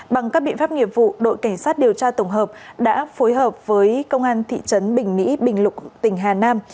bằng các biện pháp nghiệp vụ đội cảnh sát điều tra tổng hợp đã phối hợp với công an thị trấn bình mỹ bình lục tỉnh hà nam